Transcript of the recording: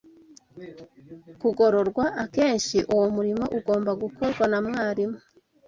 kugororwa, akenshi uwo murimo ugomba gukorwa na mwarimu